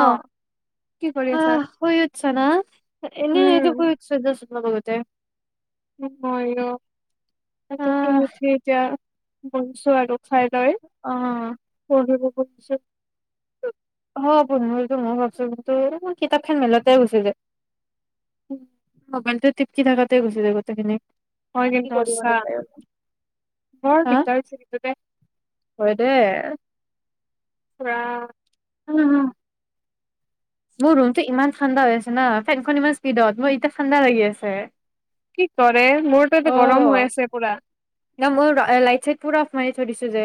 অ কি কৰি অ আছা? শুইৎছ না এনে এই শুছ এ চ ব তে নহয় অ পতকে আহ পঠিতি বতছো আৰু খাই লৈ অ', পঢ়িব গছ ছ অ বন্ধটো মই ভাবছো কিন্তু কিতাপখন মেলতে গুছি যে মবাইলটো টপতি থাকাতে গুচিছে গোটেইখিনি হয় কি কিন্তু কৰিব আছা নাপায়। আৰু। বৰ হা বিচাৰিছে কিন্তু দে হয় দে। পূৰা উম হ মোৰ ৰুমটো ইমান ঠাণ্ডা হৈ আছে ন ফেনখন ইমান স্পীডত মোৰ এতিয়া ঠাণ্ডা লাগি আছে কি কৰে মোৰ তত গৰম হৈ আছে পুৰা কৈ দিছো যে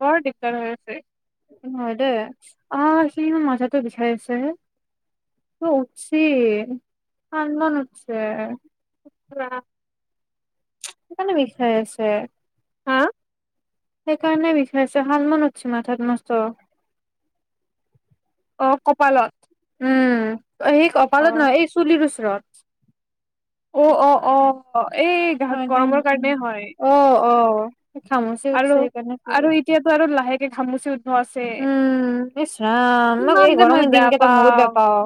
বহুত দিকদাৰত হৈছে হয় দে অ সমান মাথাতো বিষছে আছে ত উঠছ আন উঠছে কোৱা আথুনি বিষাই আছে হা সেইকাৰণে বিচাৰিছে শাল মন উছ মাথাত অ কপালত উম অ সেই অ। কপালত নহয় এই চুলিৰ ওচৰত [unintelligible] অ অ অ এই হয় গৰমৰ কাৰণে হয় অ অ অ খামচি উঠছে আৰু আৰু সেইকাৰণে এতিয়াতো আৰু লাহেকে ঘামুচি উঠব আছে। উম ইচ ৰাম কিমান যে এইঘৰ মই ম বেয়া দিনকেইটা বহুত বেয়া পাওঁ পাও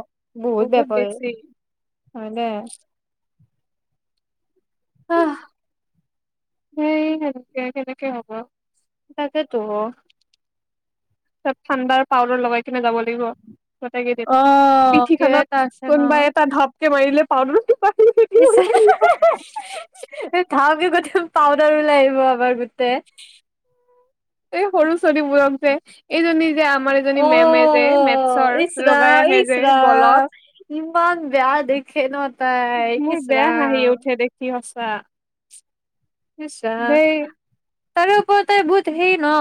বহুত বেয়া প হয় দে আহ স কেনেকে কেনেকে কে হ'ব তাকেতো তই ঠাণ্ডা পাউদাৰ লগাই কিনে যাব লাগিব গোট কেইট অ কিবা পিঠিখননত এটা আছে ন কোনোবা এটা ধপ সি মাৰলে পাদু হু হু হা ইচ্ছা অ থওঁক ক পাউদাৰ ওলাই আহিব আমাৰ গোটেই এই সৰু ছোৱালীবোৰক যে এইজনী যে আমাৰ এজনী মেমে যে অ' মেথচৰ লগাই আহে যে গলত ইমন বেয়া দেখে ন তাই মোৰ বেয়া হাহি ইচৰাম উঠে দেখি হচ বাহ ইছৰা তাৰে ওপৰত তাই বহুত হেৰি ন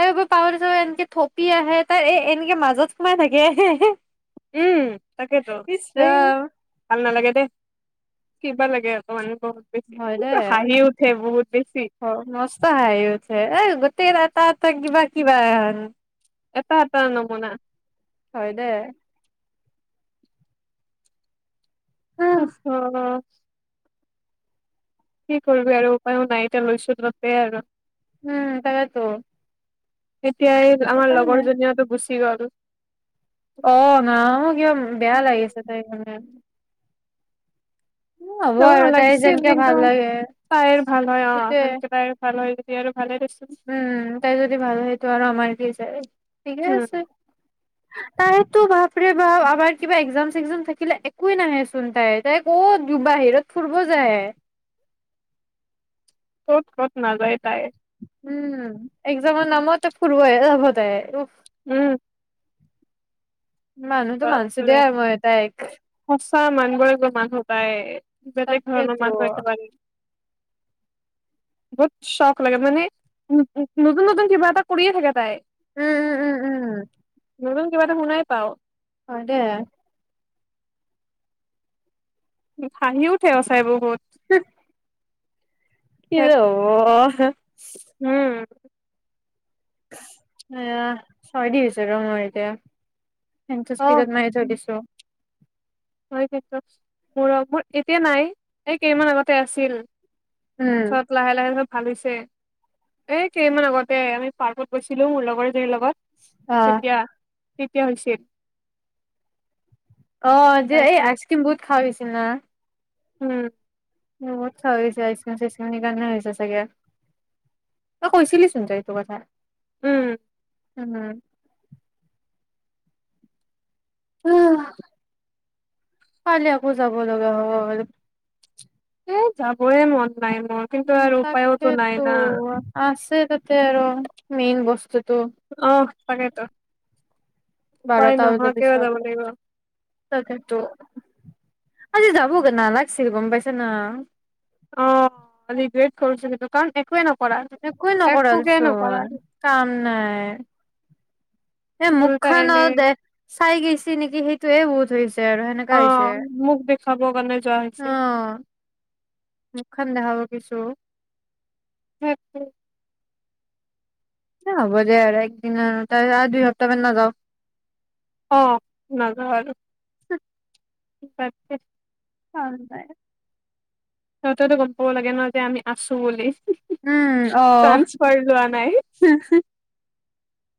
তাৰে ওপ পাহৰি এনেকে থপি আহে তাই এ এনেকে মাজত সোমাই থাকে হে হে উম তাকেইেতো হম ভাল নালাগে দেই কিবা লাগে অক মান হয় দে বেছি মস্ত হাহি ওঠে গোটেই ৰাতি ততে কিবা কিবা এটা এটা নমুনা হয় দে অ কি কৰিবি আৰু উপায়ো নাই এতিয়া লৈছো ততে আৰু উম তাকেতো এতিয়াই আমাৰ সেইকাৰণে লগৰজনীয়েতো গুছি সি গ অ নাো কিবা বেয়া লাগিছে তাই কাৰণে হ'ব চব আৰু তাই নালাগিছিল যেনেকে কিন্তু ভাল লাগে তাইৰ ভাল হয় অ সেইটোয়ে সেনেকে তাই ভাল হয় যদি আৰু ভালে দিছিল উম তাই যদি ভাল হয় সেইটো আৰু আমাৰ ছাৰে ঠিকে উম আছে তাইতো ভাপৰে ভাপ আমাৰ কিবা এক্জাম চেগজাম থাকিলে একোৱে নাহেচোন তাই তাই কত বাহিৰত ফুৰিব যায়ে ক'ত কত নযয় তাই উম একজামৰ নামত ফুুৰবহে যাব তাই উম মানুহতো মানছো দিয়ে মই তাইক চাহ মানবৰে গ মান সতায় জলে ভ ন তাকেতো। মানহট ন বহুত চখ লাগে মানে নতুন নতুন কিবা এটা কৰিয়ে থাকে তাই উম উম উম উম উম নতুন কিবা এটা শুনাই পাও অ দে হাঁহি উঠে সচাই বহুত হ কি ধেৎ যে হব চে উম এয়া ছয় দি হৈছে ৰ মই এতিয়া স স্পিডত অ মজলছো হয় মোৰ মোৰ এতিয়া নাই এই কেইমান আগতে আছিল। উম, চত লাহে ল আহ ভাল হৈছে এ কেইমান আগতে আমি পাৰ্কত গৈছিলো মোৰ লগৰজনীৰ লগত অ', তেতিয়া তেতিয়া হৈছিল অ যে এই তাৰপিছত আইচ ক্ৰিম বহুত খা হৈছে কিনা উম মত চা হৈছে আ চচ সেইকাৰণে হৈছে চাগে তই কৈছিলিচোন তই এইটো কথা উম উম উ পালি আকৌ যাব লগা হ'ব লাগে এ যাবই মন। নাই মোৰ কিন্তু আৰ উপায়ওতো নাই না। তে মেইন বস্তুটো। তাকে টো বাৰটাউজ পিছত তাকেতো আজি যাবগ নালাগিছিল গম পাইচ ন অ ৰিগ্ৰেট কৰ থে কাৰণ একোৱে নকৰা একোৱেই একোকে নকৰা নকলচোন কাম নাই। এ মুখ উল্টা খান এনে দে চাই গৈছে নেকি সেইটোয়ে ত তেৰ আৰু সেনেকা অ হৈছে মোক দেখাব কাৰণে যোৱা অ হৈছে মুখখন দেখাব কিছো। হম হ হ'ব দে আৰু একদিিন তাৰ আৰু দুই সপ্তাহ মান নাযাও অ নাজা আৰু আছে হ'ব সিহঁতেতো গম পাব লাগে নহয় যে আমি আছো বুলি উম আহ ট্ৰান্সফাৰ লোৱা নাই হুহো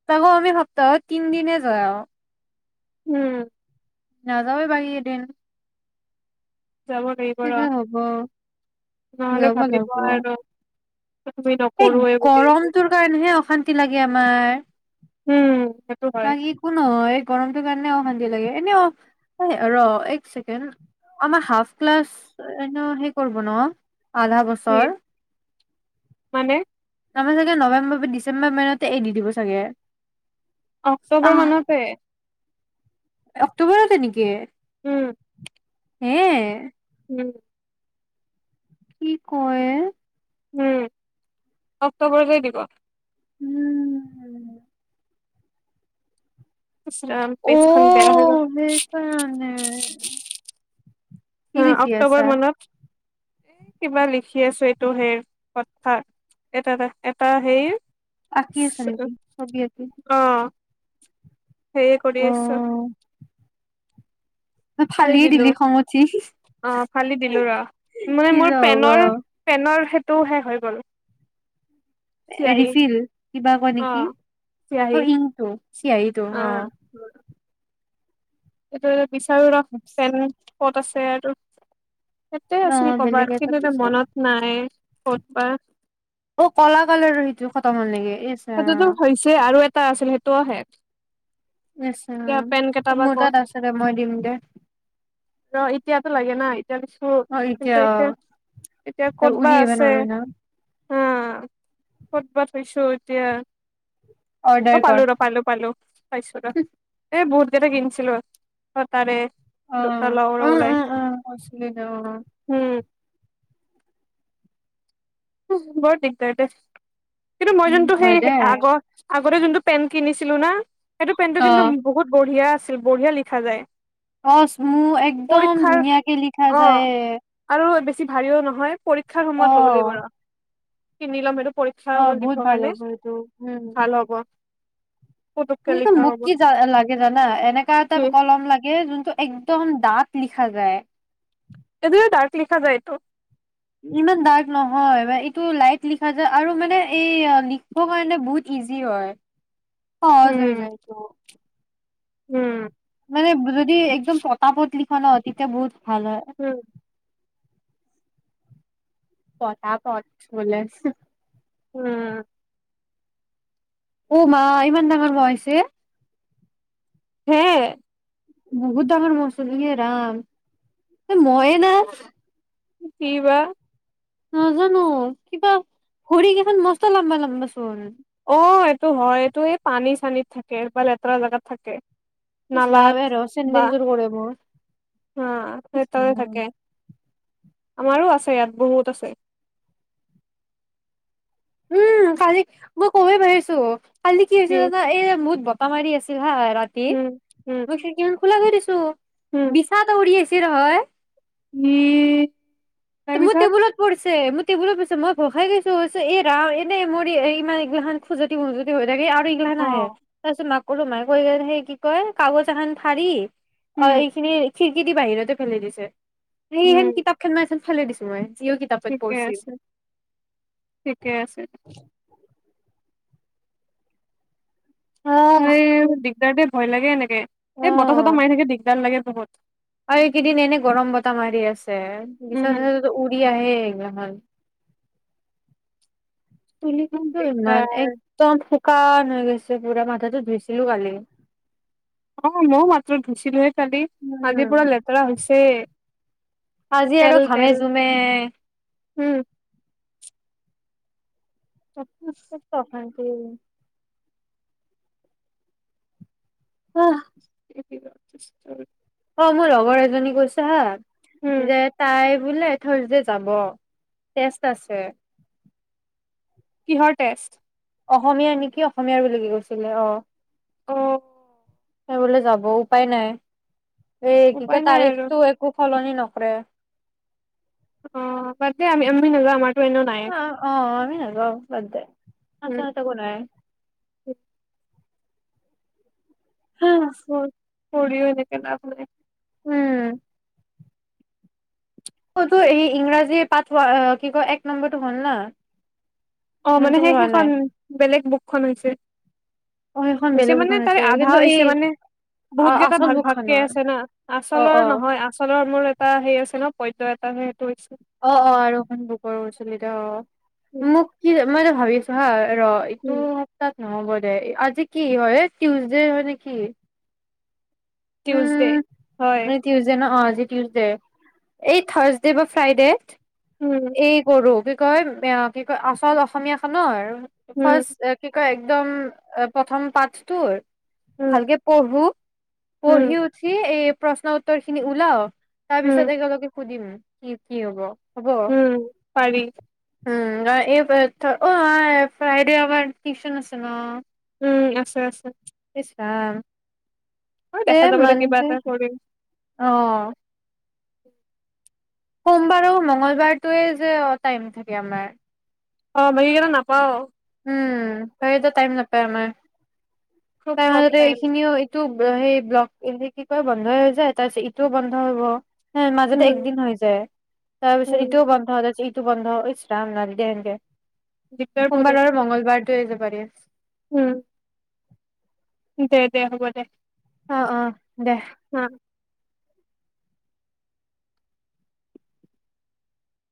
তাকৌ আমি সপ্তাহত তিনিদিনে যোৱা আৰু উম নাযাৱ বাগি এ দিন যাব লাগিব ৰ হ'ব নহলে যাব ভাবিব লাগিব আৰু তুমি এই নকৰোৱে বুলি একো গৰমটোৰ কাৰণেহে অশান্তি লাগে মাৰ উম। সেইটো হয় বাকী একো নহয়। এই গৰমটোৰ কাৰণে অ' অশান্তি লাগে। এনে অফ, ৰ' এক চেকেণ্ড, আমাৰ হাফ ক্লাচ এনেও হেই কৰিব ন'। আধা কি বছৰ মানে আমাৰ চাগে নৱেম্বৰ ডিচেম্বৰ মাহতে এ দি দিব চাগে। অক্টোবৰ আহ মানতে। অক্টোবৰতে নেকি? উম। উম উম। কি কয় এ উম অক্টোবৰতে দিব উম। ইচ ৰাম পেচখন বেয়া হৈ গ'ল। অ', সেইকাৰণে কি হ লিখি অক্টোবৰ আছা? মানত এ কিবা লিখি আছো এইটো সেই কথা এটা, এটা এটা হেই। আঁকি আছা নেকি চবি আঁকি অ সেয়ে কৰি আছো। অ', তই ফালি ফালিয়ে দিলো। দিলি খং উঠি অঁ ফালি দিলো ৰ। মানে কি যে মোৰ হ'ব পেনৰ পেনৰ সেই টোহে হৈ গ'ল। চিয়াহী ৰিফিল কিবা কয় অ নেকি চিয়াহী অ', ইংটো। চিয়াঁহী টো, অ'। উম বিচাৰো ৰখ পেন ক'ত আছে আৰু ইযাতে আছিল অ', বেলেগ ক'বাত এটা কিন্তু এতিয়া বিচাৰ মনত নাই ফুটবাহ অ' ক'লা কালৰো সেইটো খতম হ'ল নেকি ইচ সেইটোতো ৰাম হৈছে আৰু এটা আছিল সেইটো অ', শেষ। আচছা এতিয়া পেন কেইটা বা মোৰ ক'ত তাত আছে দে, মই দিম দে। তোক লাগে নাই জানিছো অ', কিন্তু এতিয়া অ', এতিয়া তই ক'ত বা উৰি আহিব আছে। নোৱাৰো ন ক'তবা থৈছো। তেতিয়া অ' অৰ্ডাৰ পালো কৰ ৰ পালো- পালো পাইছো ৰ এই বহুত [unintelligible] কিনিছিলো তাৰে দুটা অ' লওঁ ৰ উ ওলাই উম উমচল ন' অ' উম বহুত দিগদাৰতে কিন্তু মই যোনটো হয় সেই দে আগৰ আগতে যোনটো পেণ্ট কিনিছিলো না। সেইটো পেণ্টটো অ'। কিন্তু বহুত বঢ়িয়া আছে। আছিল বঢ়িয়া লিখা যায়। অ স্মু একদম পৰীক্ষাৰ ধুনীয়া কে লিখা অ যায়। আৰু বেছি ভাৰিও নহয়। পৰীক্ষাৰ সময়ত ল'ব লাগিব অ', আৰু কিনি লম সেইটো। পৰীক্ষাৰ অ' সময়ত বহুত দিবৰ ভাল কাৰণে এইটো উম। ভাল হ'ব পুতুককে কিন্তু লিখা মোক হ'ব কি লাগে জানা এনেকুৱা এটা কি কলম লাগে যোনটো একদম দাঁত লিখা যায়। এইদৰে ডাৰ্ক লিখা যায়টো। ইমান ডাৰ্ক নহয় এইটো লাইট লিখা যায় আৰু মানে এই লিখিব কাৰণে বহুত ইজি হয়। পজ হৈ উম যায়টো উম, মানে যদি একদম পত পত লি [unintelligible] তেতিয়া বহুত ভাল হয়। উম পতা পথ বলেছ [unintelligible] উম। অ' মা ইমান ডাঙৰ [unintelligible] হে বহুত ডঙৰ মচলেৰাম ময়ে না কিবা নাজানো আও কিবা ভৰি কেইখন মস্ত লাম্বা লম্বা চোন। অ' এইটো হয় এইটো এই পানী চানীত থাকে বা লেতেৰা জোগাত থাকে। ইচ ৰাম নালাত এ ৰ বা চেন্দেলযোৰ কৰে মোৰ আহ ইচ সেইটয়ে ৰাম থাকে আমাৰো আছে ইয়াত বহুত আছে। উম কালি মই কবয়ে পাহৰিছোঁ। কালি কি হৈছে জানা এ বহুত বদ। বতাহ মাৰি আছিল হয়। ৰাতি? উম উম মই খিৰকি খান। খোলা কৰি দিছোঁ। উম বিছা এটা উৰি আছে। কি হয়? ই য়ে। মই টেবুলত পৰি [unintelligible] মই টেবুলত কৈছো মই ভয়খাই গৈছোঁ এ ৰাম, এনেই মোৰ ইমান এইগিলাখন খুজুতি-মুজুতি হৈ আছে। [unintelligible] আৰ ইগ্লাখান অ আহে। তাৰপিছত কৰো মাই কৈ গলে সেই কি কয় কাগজ এখান ফাৰি অ', উম এইখিনিয়ে। খিৰকী দি বাহিৰতে ফেলাই দিছে। সেই হেন উম কিতাপ খান মাই ফেলে। ফেলে দিছোঁ মই। ইও কিতাপত ঠিকে পঢ়ছিল। আছে ঠিকে আছে অ', হয়, দিগদাৰ দে। ভয় লাগে এনেকে, এই বতাহ চতাহ মাৰি থাকে, দিগদাৰ লাগে বহুত। আৰু এইকেইদিন এনে গৰম বতাহ মাৰি আছে। [unintelligible] উম বিছা-থিছা যদি উৰি আহে এইগ্লাখান। উম [unintelligible] ইমান দিগদাৰ একদম। কাঁহ হৈ গৈছে পুৰা মাথাতো ধুইছিলোঁ কালি। অ', ময়ো মাত্ৰ ধুইছিলোঁহে। খালি আজি উম, পুৰা লেতেৰা হৈছে। সেয়ে। আজি আৰু ঘামে-জুমে। উম [unintelligible] উম। অ'হ। [inaudible] অ', মোৰ লগৰ এজনী কৈছে হা। উম যে তাই। বলে থাৰ‌্ছডে যাব, টেষ্ট আছে। কিহৰ টেষ্ট? অসমীয়াৰ নেকি অসমীয়াৰ বুলি কি কৈছিলে। অ' অ চবলে যাব উপায় নাই এই কি উপায় ক নাই আৰু তাৰিখটো একো ফলনি নাই নকৰে অ ম আমি আমিনল অ অ আমি নাগাওঁ মতেে আছা আছে কোনাই উম উ পৰি হৈ নেকপ উম অতটো এই ইংৰাজী পঠোৱা কি কয় এক নম্বৰটো হ'ল না অ মানে যোনটো সেই হোৱা সেইখন নাই বেলেগ বুকখন হৈছে অ সেইখন হৈছে বেলেগ মানে বুকখন তাৰে আছে আধা কিন্তু এই হৈছে মানে বহুত কেইটা আচল ভাগ ভাগকে বুকখনৰ আছে না অ আচলৰ অ নহয় আচলৰ মোৰ এটা সেই আছে ন পৈ্য এটা সেইটো হৈছে অ অ আৰু এখন বুকৰ উচলিত অ মোক কি মইত ভাবিছো হ ৰ এইটো সপ্তাহত নহ'ব আজি কি হয় টিউজডে হয় নেকি টিউজডে উম হয় মতিউজ ন আ উডে এই থাৰ্ছডে বা ফ্ৰাইডে উম এই কৰো কয় এ কি কয় আচল অসমীয়া খ ন আৰু উম ফাৰ্ষ্ কি কয় একদম প্ৰথম পাঠটোৰ উম ভালকে পঢ়ো পঢ়ি উম উঠি এই প্ৰশ্ন উত্তৰ খিনি ওলাও তাৰ পিছত উম একেলগে সুধিম কি কি হ'ব উম পাৰি উম এই অ ফ্ৰাইডে আমাৰ টিউচন আছে ন উম আছে আছে ছা অ দেখা যাব দে কিবা এটা কৰিম আহ উ সোমবাৰো মঙ্গলবাৰটোৱে যে টাইম থাকে আমাৰ অ মীকেইটা নাপাও উম সত টাইম নাপায় আমাৰ খুব তাৰ কম মাজতে টাইম এইখিনিও এইটো সেই ব্লক এ কি কয় বন্ধই হৈ যায় তাৰপিছ ইটোও বন্ধ হব হে মাজতে উম একদিন হৈ যায় তাৰপিছত ইটোও উম বন্ধ হৈ যায় টো বন্ধ ইছ ৰাম নাল দেকে দিগদাৰ বহুত সোমবাৰৰ এনেকে মঙলবাৰটোৱে যাব বাৰ উম। দে দে, হ'ব দে। অ', অ', দে। অ'।